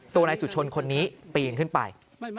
ตัวนายสุชนคนนี้ปีนขึ้นไป